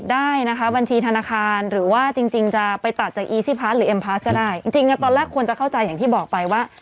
ได้นะคะบัญชีธนาคารหรือว่าจริงจริงจะไปตัดจากอีซี่พาร์ทหรือเอ็มพาสก็ได้จริงจริงตอนแรกควรจะเข้าใจอย่างที่บอกไปว่า